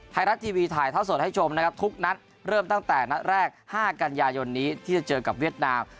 ไทยรัฐทีวีถ่ายเท่าสดให้ชมนะครับทุกนัดเริ่มตั้งแต่นัดแรก๕กันยายนนี้ที่จะเจอกับเวียดนาม